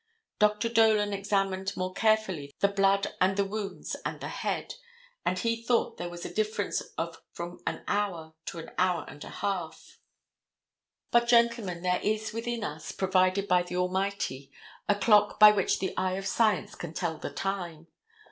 Dr. Dolan examined more carefully the blood and the wounds and the head, and he thought there was a difference of from an hour to an hour and a half. But, Gentlemen, there is within us, provided by the Almighty, a clock by which the eye of science can tell the time.